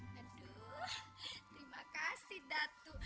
terima kasih datu